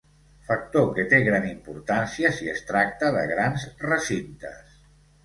Factor que té gran importància si es tracta de grans recintes.